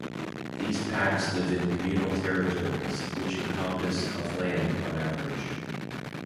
These packs live in communal territories, which encompass of land on average.